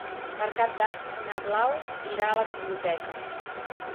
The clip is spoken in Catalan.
Per Cap d'Any na Blau irà a la biblioteca.